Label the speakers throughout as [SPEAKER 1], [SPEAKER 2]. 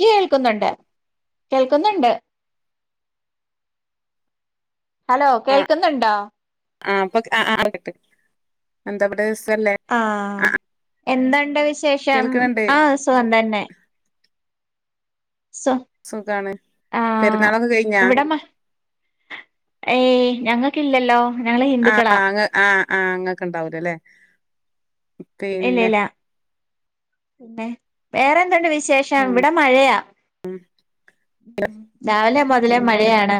[SPEAKER 1] കേൾക്കുന്നുണ്ട് കേൾക്കുന്നുണ്ട് ഹലോ കേൾക്കുന്നുണ്ടോ
[SPEAKER 2] ആ അപ്പൊ ആ കേട്ട് എന്താവിടെസ്
[SPEAKER 1] ആഹ എന്തൊണ്ട് വിശേ ശേഷം
[SPEAKER 2] കേൾക്കണണ്ട്
[SPEAKER 1] ആ സുഖം തന്നെ സോ
[SPEAKER 2] സുഖാണ്
[SPEAKER 1] ആ
[SPEAKER 2] പെരുന്നാളൊക്കെ കഴിഞ്ഞാ
[SPEAKER 1] എവിടമ്മ ഏ ഞങ്ങ ക്കില്ലല്ലോ
[SPEAKER 2] ആ അ ആ ആ ഇങ്ങക്ക് ഇണ്ടാവൂലല്ലെ
[SPEAKER 1] ഇല്ല
[SPEAKER 2] പിന്നെ
[SPEAKER 1] ഇല്ല പിന്നെ വേറെന്തുണ്ട് വിശേ ശേഷം
[SPEAKER 2] ഉം
[SPEAKER 1] ഇവിടെ മഴയാ രാവിലെ മുതലേ മഴയാണ്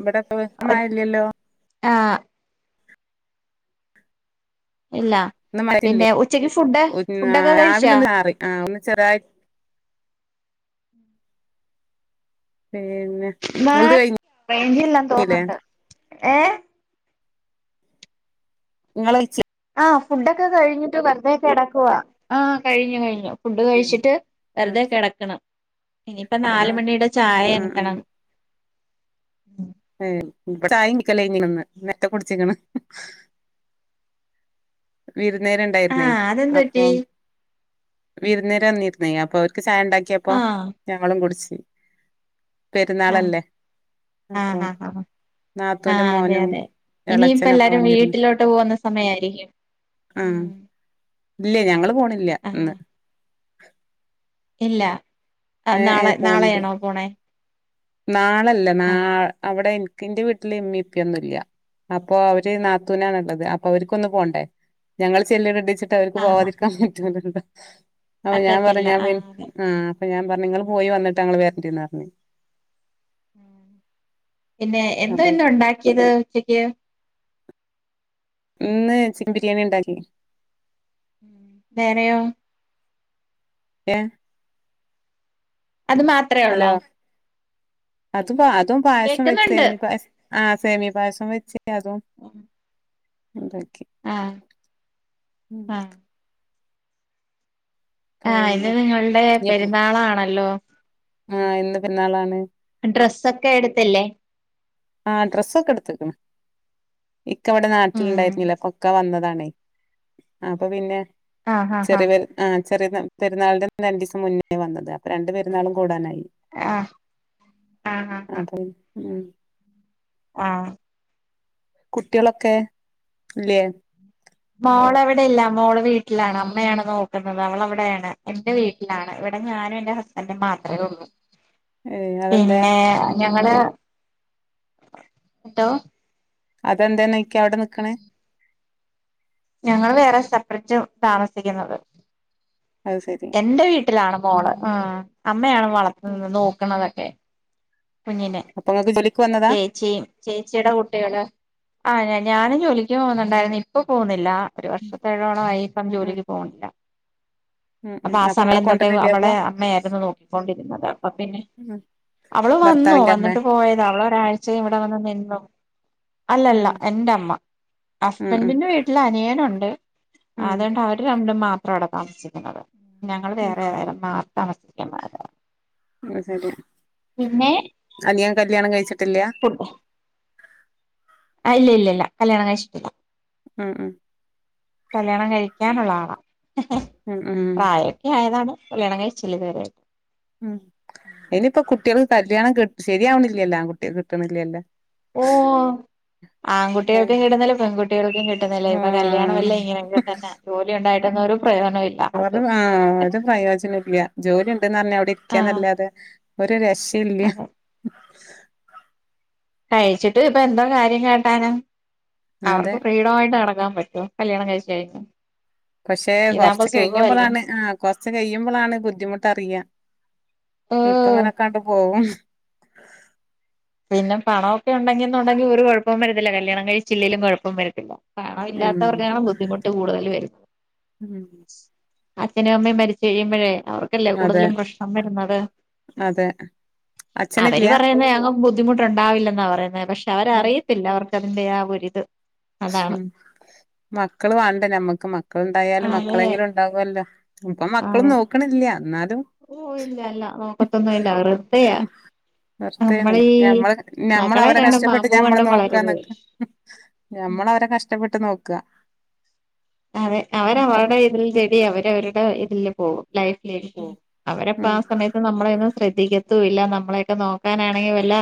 [SPEAKER 2] ഇവിടെ ഇപ്പോ വലിയ ഇല്ലല്ലോ ല്ലല്
[SPEAKER 1] ആ ഇല്ലാ
[SPEAKER 2] ഇന്ന് മഴയില്ലേ
[SPEAKER 1] പിന്നെ ഉച്ചക്ക് ഫുഡ് ഫുഡൊക്കെ കഴിച്ചാ
[SPEAKER 2] ചെറായി പിന്നെ നിങ്ങളത്
[SPEAKER 1] റേഞ്ച് ഇല്ലെന്നു
[SPEAKER 2] കഴിഞ്ഞില്ലേ
[SPEAKER 1] തോന്നുന്നുണ്ട് ഏ
[SPEAKER 2] നിങ്ങളെയ്ച്ചോ
[SPEAKER 1] ആ ഫുഡൊക്കെ കഴിഞ്ഞിട്ട് വെറുതെകെടക്കുവ ആ കഴിഞ്ഞു കഴിഞ്ഞു ഫുഡ് കഴിച്ചിട്ട്
[SPEAKER 2] ആഹ്
[SPEAKER 1] വെറുതെ കിടക്കണം ഇനിയിപ്പ നാലു
[SPEAKER 2] ആഹ്
[SPEAKER 1] മണിയുടെ ചായ
[SPEAKER 2] ആഹ്
[SPEAKER 1] അനത്തണം ഉം
[SPEAKER 2] [inaudible] ഏ ഇ ചായനിക്കല്ലേ നേരത്തെ കുടിച്ചിക്ക്ണ് വിരു ന്നേര് ഉണ്ടായിരുന്നേ
[SPEAKER 1] ആഹ് അതെന്ത് പറ്റി
[SPEAKER 2] അപ്പം വിരുന്നേ [inaudible] ചായ ഉണ്ടാക്കിയപ്പോ
[SPEAKER 1] ആഹ്
[SPEAKER 2] ഞങ്ങളും കുടിച്ച്
[SPEAKER 1] ആ
[SPEAKER 2] പെരുന്നാളല്ലേ അപ്പൊ
[SPEAKER 1] ആഹാ ഹാ ആ
[SPEAKER 2] നാത്തൂന്റെ
[SPEAKER 1] അതെ
[SPEAKER 2] മോനും
[SPEAKER 1] അതെ ഇനി ഇപ്പ
[SPEAKER 2] എളച്ചനൊക്കെ
[SPEAKER 1] എല്ലാരും
[SPEAKER 2] വന്നിരുന്നു
[SPEAKER 1] വീട്ടിലോട്ട് പോകുന്ന സമയായിരിക്കും ഉം
[SPEAKER 2] ഇല്ല്യ ഞങ്ങള് പോണി ഇല്ല്യ
[SPEAKER 1] ആഹ്
[SPEAKER 2] ഇന്ന്
[SPEAKER 1] ഇല്ല ആ
[SPEAKER 2] ഏ ഏ
[SPEAKER 1] നാളെ
[SPEAKER 2] പോണില്ല
[SPEAKER 1] നാളെയാണോ പോണേ
[SPEAKER 2] നാളല്ല നാ
[SPEAKER 1] ആഹ്
[SPEAKER 2] അവിടെ എനി ഇന്റെ വീട്ടില് ഇമ്മേം ഉപ്പയൊന്നൂല്യ അപ്പൊ അവര് നാത്തൂനാണ് ഉള്ളത് അപ്പൊ അവർക്കൊന്ന് പോകണ്ടേ ഞങ്ങൾ ചെല്ലണത് റ്റിട്ട് അവൾക്ക്
[SPEAKER 1] ആഹ്
[SPEAKER 2] പോവാതിരിക്കാൻ ഹും പറ്റുന്നുണ്ട് ഹും ഹ [inaudible] അപ്പ ഞാൻ
[SPEAKER 1] പറ്റത്തില്ല
[SPEAKER 2] പറഞ്ഞ് അപ്പ എനി
[SPEAKER 1] ആഹ് അതെ
[SPEAKER 2] ഉം അപ്പ ഞാൻ പറഞ്ഞ് ഇങ്ങള് പോയി വന്നിട്ട് അങ്ങള് വരണ്ടിന്നറഞ്ഞ്
[SPEAKER 1] പിന്നെ എന്തോ
[SPEAKER 2] അപ്പൊ
[SPEAKER 1] ഇന്ന് ഉണ്ടാക്കിയത് ഉച്ചയ്ക്ക്
[SPEAKER 2] ഇന്ന് ചിക്കൻ ബിരിയാണി ഇണ്ടാക്കി
[SPEAKER 1] ഉം വേറെയോ
[SPEAKER 2] ഏം
[SPEAKER 1] അത് മാത്രേ ഒള്ളോ
[SPEAKER 2] അത് ബാ തും പായസും വച്ച് സേമിയ പായസം ആ സേമിയ പായസം വെച്ച് ഏതോ ഉണ്ടാക്കി
[SPEAKER 1] ആഹ്
[SPEAKER 2] ഉം
[SPEAKER 1] ആഹ് ആ ഇന്ന്
[SPEAKER 2] പിന്നെ
[SPEAKER 1] നിങ്ങളുടെ പെരുന്നാളാണല്ലോ
[SPEAKER 2] ആ ഇന്ന് പെരുന്നളാണ്
[SPEAKER 1] ഡ്രസ്സൊക്കെ എടുത്തില്ലേ
[SPEAKER 2] ആ ഡ്രസ്സൊക്കെ എടുത്ത്ക്ണ് ഇക്ക അവിടെ നാട്ടില്ണ്ടായിരുന്നില്ല അപ്പൊ ഒക്കെ വന്നതാണേ അപ്പൊ പിന്നെ
[SPEAKER 1] ആഹ് ആഹ് ആഹ്
[SPEAKER 2] ചെറിയവൻ ആ ചെറിയതാ പെരുന്നാളിന്റ ന്ന് രണ്ടീസം മുന്നേ വന്നത് അപ്പൊ രണ്ട് പെരുന്നാളും കൂടാനായി
[SPEAKER 1] ആഹ് ആഹ് ആഹ്
[SPEAKER 2] അതെ ഉം
[SPEAKER 1] ആഹ്
[SPEAKER 2] കുട്ടികളൊക്കെ ഇല്ലേ
[SPEAKER 1] മോളവിടെ ഇല്ല മോള് വീട്ടിലാണ് അമ്മയാണ് നോക്കുന്നത് അവളവിടേണ് എന്റെ വീട്ടിലാണ് ഇവിടെ ഞാനും എൻ്റെ ഹസ്ബൻഡും മാത്രേ ഒള്ളൂ
[SPEAKER 2] ഏഹ് അതെന്തേ
[SPEAKER 1] പിന്നെ ഞ ങ്ങളെ എന്തോ
[SPEAKER 2] അതെന്താണ് ഇക്ക അവിടെ നിക്കണ്
[SPEAKER 1] ഞങ്ങള് വേറെ സെപ്പറെറ്റ് താമസിക്കുന്നത്
[SPEAKER 2] അത് ശെരി
[SPEAKER 1] ട്ടിലാണ് മോള് ആ അഹ് അമ്മയാണ് വളത്തുന്നത് നോക്കണതെ ഏ കുഞ്ഞിനെ
[SPEAKER 2] അപ്പൊ ഇങ്ങക്ക് ജോലിക്ക് വന്നതാ
[SPEAKER 1] ചേച്ചിയും ചേച്ചിയുടെ കുട്ടികള് ആ - ഞാനും ജോലിക്ക് പോകുന്നുണ്ടായിരുന്നു ഇപ്പം പോകുന്നില്ല ഒരു വർഷത്തെളമായി ഇപ്പൊ
[SPEAKER 2] ഉം ഉം
[SPEAKER 1] ജോലിക്ക് പോണില്ല
[SPEAKER 2] ഉം ഉം
[SPEAKER 1] അപ്പൊ ആ
[SPEAKER 2] ഇമ്മളെ
[SPEAKER 1] സമയം തൊട്ടേ
[SPEAKER 2] കൊണ്ടരണില്ലേ അപ്പൊ
[SPEAKER 1] അവളെ അമ്മയായിരുന്നു നോക്കിക്കൊണ്ടിരുന്നത് അപ്പൊ പിന്നെ-
[SPEAKER 2] ഉം
[SPEAKER 1] ആ വന്നു
[SPEAKER 2] ഭർത്താവിന്റെ അമ്മേ
[SPEAKER 1] വന്നിട്ട് പോയതാ അവള് ഒരാഴ്ച ഇവിടെ വന്ന് നിന്നു അല്ലല്ല
[SPEAKER 2] ഉം
[SPEAKER 1] എൻ്റെമ്മ
[SPEAKER 2] ഉം ഉം
[SPEAKER 1] ഹസ്ബൻഡിന്റെ വീട്ടിൽ അനിയനുണ്ട്
[SPEAKER 2] ഉം
[SPEAKER 1] അതുകൊണ്ട് അവര് ഇപ്പം - [unintelligible] മാത്രം അവിടെ താമസിക്കുന്നത് ഞങ്ങള്
[SPEAKER 2] ഉം
[SPEAKER 1] വേറെ വെറെ മാ- [unintelligible]
[SPEAKER 2] ശരിയാ അനിയൻ കല്യാണം കഴിച്ചിട്ടില്ല.
[SPEAKER 1] ആ ഇല്ല ഇല്ല ഇല്ല കല്യാണം കഴിച്ചിട്ടില്ല.
[SPEAKER 2] ആഹ് ആഹ്
[SPEAKER 1] കല്യാണം കഴിക്കാനുള്ള ആളാ
[SPEAKER 2] ഉം ഉം
[SPEAKER 1] പ്രായൊക്കെ ആയതാണ് കല്യാണം കഴിച്ചില്ല ഇതുവരെ
[SPEAKER 2] ഉം ഇനിയിപ്പം കുട്ടികള്- കല്യാണം ക ശരിയാവന്നില്ലല്ലോ ആകുട്ടിയെ കിട്ടണില്ലല്ലോ
[SPEAKER 1] ഓ ആൺകുട്ടിയൊക്കെ ഇടുന്നല്ല പെൺകുട്ടി
[SPEAKER 2] ആഹ്
[SPEAKER 1] തന്നെ ജോലി ഉണ്ടായിട്ടൊന്നും ഒരു പ്രയോജനം ഇല്ല
[SPEAKER 2] ആഹ് ഒരു
[SPEAKER 1] ആർക്കും
[SPEAKER 2] ആഹ് പ്രയോജന ഇല്ല ജോലി ഉണ്ടന്ന് അറിഞ്ഞാ അവിടെ
[SPEAKER 1] ആഹ്
[SPEAKER 2] ഇരിക്കന്നല്ലാതെ- ഒരു രസ ഇല്ല
[SPEAKER 1] അതെ കഴിച്ചിട്ട് ഇപ്പ എന്തോ കാര്യം കേട്ടാനും അവർക്ക്
[SPEAKER 2] അതെ
[SPEAKER 1] ഫ്രീഡമായിട്ട് നടക്ക [unintelligible] പറ്റുമോ കല്യാണം കഴിച്ച കഴിഞ്ഞൂ
[SPEAKER 2] പക്ഷെ കൊറച്ച് കഴിയുമ്പോളാണ് ആ കൊറച്ച് കഴിയുമ്പോളാണ് ബുദ്ധിമുട്ടറിയാ ഇപ്പ
[SPEAKER 1] ഓഹ്
[SPEAKER 2] ഇങ്ങനെക്കാണ്ട് പോവും
[SPEAKER 1] പിന്നെ പണമൊക്കെ ഉണ്ടെങ്കി എന്നുണ്ടെങ്കിൽ ഒരു കുഴപ്പം വരത്തില്ല കല്യാണം കഴിച്ചില്ലയിലും കുഴപ്പം വരത്തില്ല. പണ
[SPEAKER 2] ഉം
[SPEAKER 1] ഇല്ലാത്തവർക്കാണ് ബുദ്ധിമുട്ട് കൂടുതൽ വരുന്നത്.
[SPEAKER 2] ഉം
[SPEAKER 1] അച്ഛനും അമ്മയും മരിച്ചു കഴിയുമ്പോഴേ അവർക്കല്ലേ
[SPEAKER 2] അതെ
[SPEAKER 1] കൂടുതലും പ്രശ്നം വരുന്നത്
[SPEAKER 2] അതെ അച്ഛനില്ല
[SPEAKER 1] അവര് പറയുന്ന ദ്ധിമുട്ട് ഉണ്ടാവില്ലെന്നാ പറയ്ന്നേ പക്ഷെ
[SPEAKER 2] ഉം
[SPEAKER 1] അവരറിയത്തില്ല അവർ അതിന്റെ ആ ഒരിത് അതാണ്
[SPEAKER 2] ഉം മക്കള് വാണ്ടെ ഞമ്മക്ക് മക്കള്ണ്ടായാല്
[SPEAKER 1] അതെ
[SPEAKER 2] മക്കളെങ്കിലും ണ്ടാവൊല്ലോ ഇപ്പം മക്കളും
[SPEAKER 1] അതെ
[SPEAKER 2] നോക്ക്ണില്ല്യ ന്നാലും
[SPEAKER 1] ഓ ഇല്ല ഇല്ല നോക്കത്തൊന്നും ഇല്ല വെറുതെയാ
[SPEAKER 2] വെർതേണ്
[SPEAKER 1] നമ്മളീ
[SPEAKER 2] ഞമ്മള്
[SPEAKER 1] മക്കളെ
[SPEAKER 2] ഞമ്മളവരെ
[SPEAKER 1] കണ്ടും
[SPEAKER 2] കഷ്ടപ്പെട്ട്
[SPEAKER 1] പാമ്പു
[SPEAKER 2] ഞമ്മളെ
[SPEAKER 1] കണ്ടും വളരരുത്
[SPEAKER 2] നോക്കാന്നൊക്കെ നമ്മളവരെ കഷ്ടപ്പെട്ട് നോക്ക
[SPEAKER 1] അതെ അവര അവര്ടെ ഇതിൽ ശെരി അവരവര് ടെ ഇതില്ല് പോകും ലൈഫ് ലേക്ക് പോകും അവരപ്പ
[SPEAKER 2] ഉം
[SPEAKER 1] ആ സമയത്ത് നമ്മളെയൊന്നും ശ്രദ്ധിക്കത്തൂ ഇല്ല നമ്മളെയൊക്കെ നോക്കാനാണെങ്കി വല്ല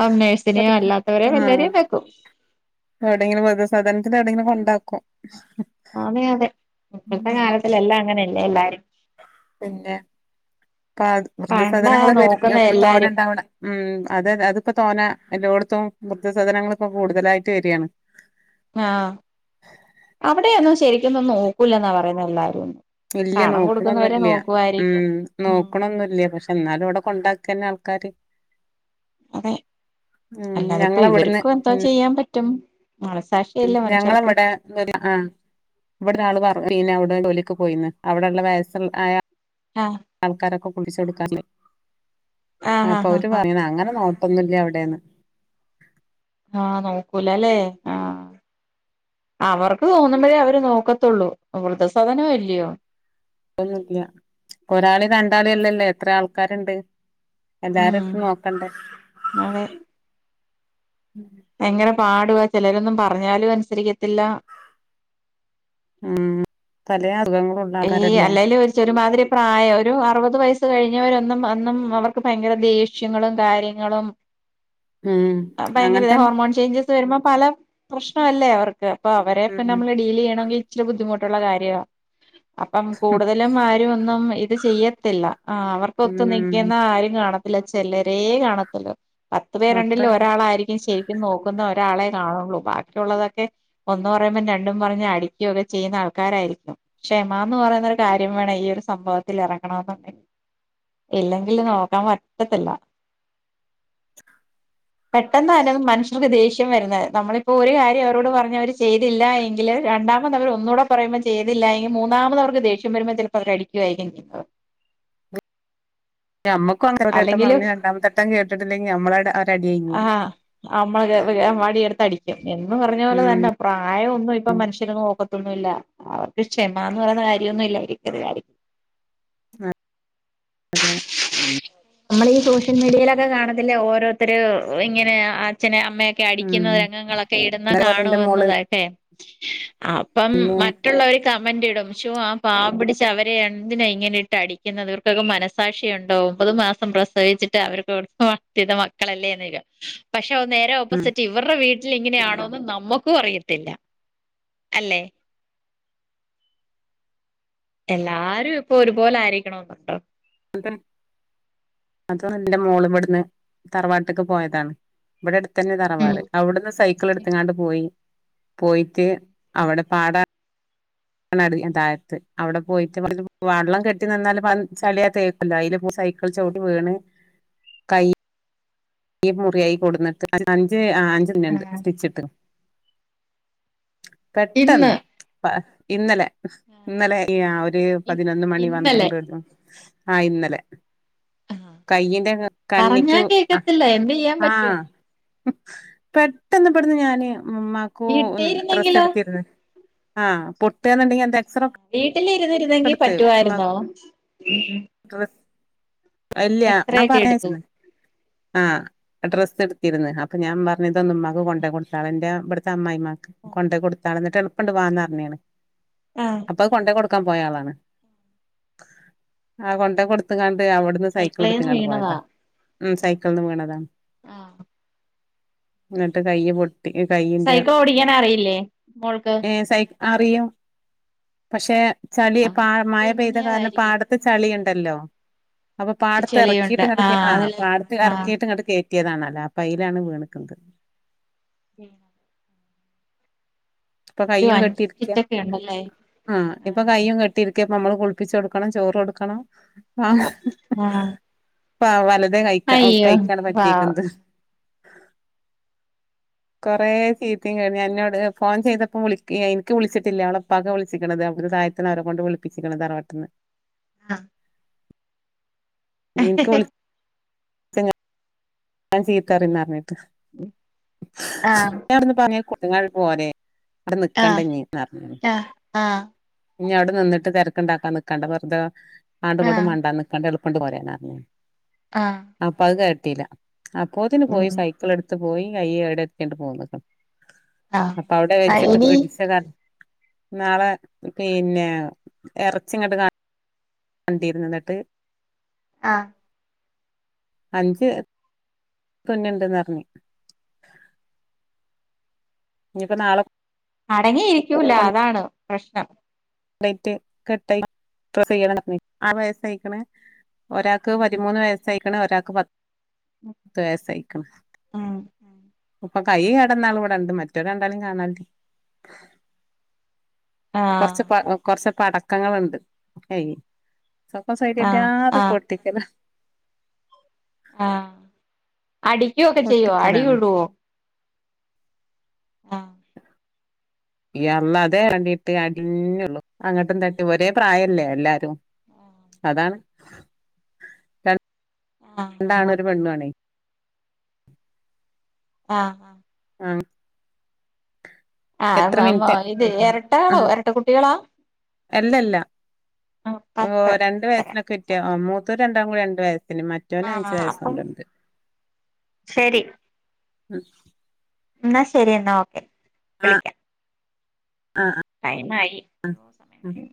[SPEAKER 1] ഹോം നേഴ്സിനെയോ
[SPEAKER 2] വെർതെ
[SPEAKER 1] അല്ലാത്തവരെയോ
[SPEAKER 2] ആഹ്
[SPEAKER 1] വല്ലരെയും വെക്കും
[SPEAKER 2] എവ്ടെങ്കിലും വൃന്ദസദനത്തിലെവിടെങ്കിലും കൊണ്ട് ണ്ടാക്കും
[SPEAKER 1] അതെ അതെ ഇപ്പത്തെ
[SPEAKER 2] ഉം
[SPEAKER 1] കാലത്തിലെല്ലാം അങ്ങനെന്നെ ല്ലേ എല്ലാരും
[SPEAKER 2] പിന്നെ കാട്
[SPEAKER 1] പണ്ടാ
[SPEAKER 2] വൃന്ദസദനങ്ങള്
[SPEAKER 1] നോക്കുന്ന
[SPEAKER 2] പെരു തോന
[SPEAKER 1] എല്ലാരും
[SPEAKER 2] ഇണ്ടാവണം ഉം അതെ അതെ അത്പ്പോ തോനേ എല്ലോട്ത്തും വൃന്ദസദനങ്ങള്പ്പൊ കൂട്തലായ്ട്ട് വര്യാണ്
[SPEAKER 1] ആഹ് അവ്ടെയൊന്നും ശെരി ക്കൊന്നും നോക്കൂല്ലാന്നാ പറയ്ന്നെ എല്ലാരെയൊന്നും
[SPEAKER 2] ഇല്ല നോക്ക്ണെന്നുല്ല്യ ഉം നോക്ക്ണൊന്നുല്ല്യ പക്ഷെ ന്നാലും അവ്ടെ കൊണ്ടാ ക്കന്നെ ആൾക്കാര്
[SPEAKER 1] അതെ
[SPEAKER 2] ഉം
[SPEAKER 1] അല്ലാതെ ഇപ്പ ഇവർക്കും എന്തോ ചെയ്യാംപറ്റ് റ്റും
[SPEAKER 2] ഞങ്ങള ഇവിടെ [unintelligible] ആ ഇവിടൊരാള് വർക്കയ്യണ് അവി [unintelligible] ജോലിക്ക് പോയിന്ന് അവിടെള്ള വയസ്സ് ആയ
[SPEAKER 1] ആഹ്
[SPEAKER 2] ആൾക്കാരൊക്കെ പോലീസ് എടുക്കാറില്ല
[SPEAKER 1] ആഹ്
[SPEAKER 2] അപ്പൊ
[SPEAKER 1] ആഹ് ആഹ്
[SPEAKER 2] അവര്
[SPEAKER 1] ആഹ്
[SPEAKER 2] പറഞ്ഞേണ് അങ്ങനെ നോ ഒന്നുല്ല അവിടെന്ന്
[SPEAKER 1] ആഹ് നോക്കൂലല്ലേ ആഹ് അവർക്ക് തോന്നുമ്പോഴേ അവര് നോക്കത്തുള്ളൂ വൃദ്ധ സദനം ആല്ലിയോ
[SPEAKER 2] ഒന്നുല്ല ഒരാള് രണ്ടാള് അല്ലല്ലോ എത്ര ആൾക്കാരുണ്ട് അതാരപ്പ
[SPEAKER 1] ഉം
[SPEAKER 2] നോക്കണ്ടേ
[SPEAKER 1] എങ്ങനെ പാടുവാ ചിലരൊന്നും പറഞ്ഞാലും അനുസരിക്കത്തില്ല
[SPEAKER 2] ഉം പലയാ
[SPEAKER 1] ഈ അല്ലേല് ഒരു ചൊ ഒരുമാതിരി പ്രായം ഒരു അറുപത് വയസ് കഴിഞ്ഞവരൊന്നും അന്നും അവർക്ക് ഭയങ്കര ദേഷ്യങ്ങളും കാര്യങ്ങളും
[SPEAKER 2] ഉം
[SPEAKER 1] ആ
[SPEAKER 2] അങ്ങനെ
[SPEAKER 1] ഭയങ്കര ഇ
[SPEAKER 2] തന്നെ
[SPEAKER 1] ഹോർമോൺ ചേഞ്ചസ് വരുമ്പ പല പ്രശ്നമല്ലേ അവർക് [unintelligible] അപ്പൊ അവരെപ്പ
[SPEAKER 2] ഉം
[SPEAKER 1] നമ്മൾ ഡീൽ ചെയ്യണമെങ്കി ഇച്ചിരി ബുദ്ധിമുട്ട് [unintelligible] കാര്യ അപ്പം കൂടുതലും ആരും ഒന്നും ഇത് ചെയ്യത്തില്ല ആ അവർക്ക്ക്കൊത്തു
[SPEAKER 2] ഉം
[SPEAKER 1] നിൽക്കുന്ന ആരും കാണ അല ചെലരേ കാണത്തില്ല പത്ത്
[SPEAKER 2] അത്ര
[SPEAKER 1] പേരുണ്ടങ്കിൽ ഒരാളായിരിക്കും ശ ഇ നോക്കുന്ന ഒരാളെ കാണുള്ളൂ ബാക്കിയുള്ളതൊക്കെ ഒന്ന് പറയുമ്പം രണ്ടും പറഞ്ഞ് അടിക്കൊക്കെ ചെയ്യുന്ന ആൾക്കാരായിരിക്കും ക്ഷമ പറയുന്ന ഒരു കാര്യം വേണം ഈ ഒരു സംഭവത്തിൽ ഇറങ്ങണമെന്നു ഇല്ലെങ്കില് നോക്കാൻ പറ്റത്തില്ല പെട്ടെന്ന് തന്നെ മനുഷ്യർക്കെ ദേഷ്യം വരുന്നത് നമ്മളിപ്പോ ഒരു കാര്യം അവരോട് പറഞ്ഞഞ് അവര് ചെയ്തില്ല എങ്കില് രണ്ടാമത് അവർ ഒന്നുകൂടെ പറയുമ്പോൾ ചെയ്തില്ല മൂന്നാമത് അവർക്ക് ദേഷ്യം വരുമ്പോൾ ചിലപ്പോൾ അവര് അടിക്കുയായിക്കും
[SPEAKER 2] ഞമ്മക്കും അ [unintelligible] പറഞ്ഞു രണ്ടാമത്തെട്ടം കേട്ടിട്ടീല്ലെങ്കിൽ ഞമ്മളെ ഒരടികഴിഞ്ഞ്
[SPEAKER 1] ആഹ് നമ്മള് വടിയെടുത്ത് അടിക്കും എന്ന് പറഞ്ഞ പോലെ തന്നെ പ്രായം ഒന്നും ഇപ്പം മനുഷ്യര് നോക്കു [unintelligible] ണില്ല അവർടെ ഇഷ് ക്ഷമ എന്ന് പറയുന്ന കാര്യമൊന്നും ഇല്ല [unintelligible]
[SPEAKER 2] ആഹ് അതെ.
[SPEAKER 1] നമ്മളീ ഈ സോഷ്യൽ മീഡിയിലൊക്കെ കാണത്തില്ലേ ഓരോരുത്തർ ഇങ്ങനെ അച്ഛനേ അ അമ്മയൊക്കെ
[SPEAKER 2] ഉം
[SPEAKER 1] അടിക്കുന്ന രംഗങ്ങളൊക്കെ ഇടുന്ന
[SPEAKER 2] അതേപോലെ എന്റെ
[SPEAKER 1] കാണുവുന്ന
[SPEAKER 2] മോള്
[SPEAKER 1] താട്ടെ അപ്പം
[SPEAKER 2] പിന്നെ
[SPEAKER 1] മറ്റുള്ളവര് കമന്റ് ഇടും ഷോ ആ പാവം പിടിച്ച അവരെ എന്തിനാ ഇങ്ങനെ ഇട്ട് അടിക്കുന്നത് ഇവർക്കൊക്കെ മനസാക്ഷി ഉണ്ടോ ഒമ്പത് മാസം പ്രസവിച്ചിട്ട് അവർക്ക് വളർത്തിനെ മക്കളല്ലേ പക്ഷേ നേരെ ഓപ്പോസിറ്റ് ഇവർടെ വി ഇങ്ങനെയാണോന്ന് നമുക്കും അറിയത്തില്ല അല്ലെ എല്ലാരും ഇപ്പോ ഒരുപോലെ ആയിരിക്കണെന്നുണ്ടോ
[SPEAKER 2] അത് എന്റെ മോള് ഇവിടുന്ന് തറവാട്ടക്ക് പോയതാണ് ഇവിടെ അടു ഇതെന്നെ
[SPEAKER 1] ഉം
[SPEAKER 2] തറവാട് അവ്ട്ന്ന് സൈക്കിള് ഇട്ത്ത്ങ്ങാണ്ട് പോയി പോയിറ്റ് അവടെ പാടാ വനറിയാം താഴത്ത് അവിടെ പോയിട്ട് വള്ളം കെട്ടി നിന്നാലും പ്പത് ചള്യാ തേപ്പ് ല്ലയില് പ്പോ സൈക്കിൾ ചൗട്ടി വീണ് കൈ യ്യീ മുറിയായി കൊട്ന്നിട്ട് അ അഞ്ച് ആ അഞ്ചണ്ണം ഇണ്ട്
[SPEAKER 1] ആഹ്
[SPEAKER 2] സ്റ്റിച്ചിട്ട്
[SPEAKER 1] ഇന്ന്
[SPEAKER 2] പെട്ടെന്ന് പ ഇന്നലെ ഇന്നലെ ഒരു
[SPEAKER 1] ഇ
[SPEAKER 2] പതിനൊന്ന് മണി
[SPEAKER 1] ഇന്നലെ
[SPEAKER 2] പന്ത്രണ്ടണിഅ ആഹ് ഇന്നലെ
[SPEAKER 1] ആഹ്
[SPEAKER 2] കയ്യിന്റെ കണ്ണിക്ക്
[SPEAKER 1] പറഞ്ഞാ കേക്കത്തില്ല എന്തെയ്യാൻ
[SPEAKER 2] ആ
[SPEAKER 1] പറ്റും
[SPEAKER 2] പെട്ടെന്ന് ഇബട്ന്ന് ഞാന് ഇമ്മമാക്കോ ഒന്ന് ഡ്രസ്സ്
[SPEAKER 1] വീട്ടിയിരുന്നെങ്കിലോ
[SPEAKER 2] എടുത്തിരിന്ന് ആഹ് പൊട്ട്ന്ന്ണ്ടെങ്കി എന്താ
[SPEAKER 1] വീട്ടിലിരുന്നിരുന്നെങ്കിൽ പറ്റുവായിരുന്നോ
[SPEAKER 2] അല്ല
[SPEAKER 1] എക്സറേ
[SPEAKER 2] ഞാൻ
[SPEAKER 1] ഒക്കെ എടുത്തു
[SPEAKER 2] പറഞ്ഞയ്ച്ചനെ ആഹ് അത് ഡ്രസ്സ് എടുത്തിരുന്നു അപ്പൊ ഞാൻ പറ
[SPEAKER 1] ആഹ്
[SPEAKER 2] ഇതൊന്നുമമാക്ക് കൊണ്ട്
[SPEAKER 1] ആഹ്
[SPEAKER 2] കൊടുത്തളന്റെ ഇബുടുത്തെ അമ്മായിമ്മ കൊണ്ട് പോയി കൊട് എന്നിട്ട് എളുപ്പണ്ട് വാങ്ങാറഞന്
[SPEAKER 1] ആഹ്
[SPEAKER 2] അപ്പൊ അത് കൊണ്ട കൊടുക്ക കൊടുക്കാൻ പോയളാണ്
[SPEAKER 1] ആഹ്
[SPEAKER 2] കൊടുത്ത്ങ്ങാണ്ട്
[SPEAKER 1] ആഹ്
[SPEAKER 2] അവിടുന്ന് സൈക്കിളും
[SPEAKER 1] സൈക്കിളേന്ന്
[SPEAKER 2] എടുത്ത്ങ്ങാണ്ട്
[SPEAKER 1] വീണതാ
[SPEAKER 2] പോയതാ ഉം സൈക്കിൾന്ന് വീണതാണ്
[SPEAKER 1] ആഹ്
[SPEAKER 2] എന്നിട്ട് കയ്യ് പൊട്ടി കയ്യിന്റെ
[SPEAKER 1] സൈക്കിൾ ഓടിക്കാൻ അറിയില്ലേ മോൾക്ക്
[SPEAKER 2] ഏഹ് സൈ അറിയും പക്ഷെ ചളി
[SPEAKER 1] ആഹ്
[SPEAKER 2] പ മഴ പെയ്ത കാരണം
[SPEAKER 1] തെന്നിയതായിരിക്കും
[SPEAKER 2] പാടത്ത് ചളിയാണ് ട്ടല്ലോ അപ്പൊ പാടത്ത് ഇറക്കിയിട്ട്
[SPEAKER 1] ചെളിയുണ്ട്
[SPEAKER 2] ഇങ്ങിടക്ക
[SPEAKER 1] ആഹ്
[SPEAKER 2] ആ
[SPEAKER 1] അതല്ലേ
[SPEAKER 2] പാടത്ത്
[SPEAKER 1] ആഹ്
[SPEAKER 2] അറക്കിട്ട് ഇങ്ങട്ട് കേ കേയട്ടതാണ് അല്ലാതെ അപ്പോ അതിലാണ് വീണത്
[SPEAKER 1] ഉം
[SPEAKER 2] ഇപ്പൊ
[SPEAKER 1] അയ്യോ
[SPEAKER 2] കയ്യും
[SPEAKER 1] അഞ്ച്
[SPEAKER 2] കെട്ടിയിരിക്ക
[SPEAKER 1] സ്റ്റിച്ചൊക്കെ ഉണ്ടല്ലേ
[SPEAKER 2] ആ ഇപ്പൊ കയ്യയും കെട്ടിരിക്ക ക്ക നമ്മള് കുളിപ്പിച്ച് കൊടുക്കണം ചോറ് കൊടുക്കണം ആഹ്
[SPEAKER 1] ആഹ്
[SPEAKER 2] പാവലേ ഇടത്
[SPEAKER 1] അയ്യോ
[SPEAKER 2] കൈക്കാണ്കഴിക്കാൻ
[SPEAKER 1] പാവം
[SPEAKER 2] പറ്റിക്കണത് കൊറെ ചീത്തയും കഴിഞ്ഞ എന്നോട് ഫോൺ ചെയ്തപ്പോ വിള എനിക്ക് വിളിച്ചിട്ടില്ല അവള ഇപ്പാക്കാണ് വിളിച്ചിക്ക്ണ്അവ ഒരു താഴത്ത് നിന്ന് അവരെ കൊണ്ട് വിളിപ്പിച്ചിക്കണ് തറവട്ടന്ന്
[SPEAKER 1] ആ
[SPEAKER 2] നിനക്ക് വിളി [unintelligible] ഞാൻ ചീത്ത അറയുംന്ന് അറിഞ്ഞിട്ട്
[SPEAKER 1] ആഹ്
[SPEAKER 2] ഞാനവിന്ന് പറഞ്ഞ് കോ ങ്ങൾ പോരേ ആടെ
[SPEAKER 1] ആഹ്
[SPEAKER 2] നിക്കണ്ടഞ്ഞ് ന്നർഞ്ഞ്ണ്
[SPEAKER 1] ആഹ് ആഹ്
[SPEAKER 2] ഇനി അവടെ നിന്നിട്ട് തെരക്ക്ണ്ടാക്കാ നിക്കണ്ടാ വെറ്തെ ആട്ടും ഇങ്ങട്ടും
[SPEAKER 1] ആഹ്
[SPEAKER 2] മണ്ടാ നിക്കണ്ടാ എളു കൊണ്ട് പോരേന്നർഞ്ഞ്
[SPEAKER 1] ആഹ്
[SPEAKER 2] അപ്പഹ് കേ ത്തിലാ അപ്പോത്തിന് പോയി
[SPEAKER 1] ഉം
[SPEAKER 2] സൈക്കിളെടു- ത്ത് പോയി അയ്യ എവിടെ എത്തിട്ട് പോന്നപ്പം
[SPEAKER 1] ആഹ്
[SPEAKER 2] അപ്പൊ അവിടെ
[SPEAKER 1] ആഹ്
[SPEAKER 2] വെച്ചിട്ട്
[SPEAKER 1] ഇനി
[SPEAKER 2] പിടിച്ച കാരണം നാളെ പിന്നെ എറച്ചിങ്ങാട്ട് കാ വണ്ടീരുന്ന് എന്നിട്ട്
[SPEAKER 1] ആഹ്
[SPEAKER 2] അഞ്ച് ഇപ്പന്നെണ്ട്ന്നർഞ്ഞ് ഇഞ്ഞിപ്പം നാളെ
[SPEAKER 1] അടങ്ങിയിരിക്കൂല അതാണ് പ്രശ്നം
[SPEAKER 2] [unintelligible] ഡ്രസ്സെയ്യണന്നർഞ്ഞ് ആറ് വയസായിക്കണ് ഒരാക്ക്
[SPEAKER 1] ഉം
[SPEAKER 2] പതിമൂന്ന് വയസ്സായി ക്ക്ണ് ഒരാക്ക് പ ത്ത് വയസായക്കണ്
[SPEAKER 1] ഉം
[SPEAKER 2] ഇപ്പൊ കൈ കിടന്നാളിവിടെണ്ട് മറ്റോരെ രണ്ടാളേം കാണനില്ല
[SPEAKER 1] ആഹ്
[SPEAKER 2] കൊറച്ച് പടക്കങ്ങളുണ്ട് ഏയ് സ്വപ്പം
[SPEAKER 1] ആഹ്
[SPEAKER 2] സ്വൈര്യവില്ലാതെ
[SPEAKER 1] ആഹ്
[SPEAKER 2] പൊട്ടിക്കല
[SPEAKER 1] ആഹ് അടിക്കുവൊക്കെ ചെയ്യോ അടി
[SPEAKER 2] പൊട്ടിക്കലാണ്
[SPEAKER 1] കൂടുവൊ ആഹ്
[SPEAKER 2] യാ അള്ളാ അതേ വേണ്ടിട്ട് അതന്നെയൊള്ളൂ അങ്ങോട്ടും തട്ടി ഒരേ പ്രായല്ലേ എല്ലാരും അതാണ് താണ്
[SPEAKER 1] ആഹ്
[SPEAKER 2] രണ്ടാണും ഒരു പെണ്ണുവാണെ
[SPEAKER 1] ആഹ്
[SPEAKER 2] ആഹ്
[SPEAKER 1] ആഹ്
[SPEAKER 2] എത്ര മിനിറ്റ്
[SPEAKER 1] [unintelligible] ഇത് എരട്ടകളോ
[SPEAKER 2] ആഹ്
[SPEAKER 1] എരട്ട കുട്ടികളാ
[SPEAKER 2] അല്ലല്ല
[SPEAKER 1] ആഹ്
[SPEAKER 2] ഓ
[SPEAKER 1] പത്ത്
[SPEAKER 2] രണ്ട്
[SPEAKER 1] പത്തര
[SPEAKER 2] വയസിനൊക്കെ വ്യത്യ മൂത്ത രണ്ട [unintelligible] രണ്ട് വയസ്
[SPEAKER 1] അഹ് ആഹ് അപ്പം ശെരി
[SPEAKER 2] ഉം
[SPEAKER 1] എന്നാ ശരി എന്നാ ഓക്കെ
[SPEAKER 2] ആഹ്
[SPEAKER 1] വിളിക്ക
[SPEAKER 2] ആഹ്
[SPEAKER 1] ടൈംമായി അയ്യോ സമയം
[SPEAKER 2] ആഹ്
[SPEAKER 1] കഴിഞ്ഞു